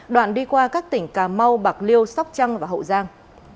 đoạn đi qua các tỉnh cà mau bạc liêu sóc trăng và hậu giang